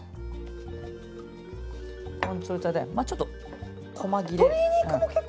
ちょっと細切れに。